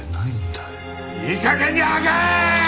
いい加減に吐けーっ！